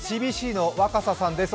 ＣＢＣの若狭さんです。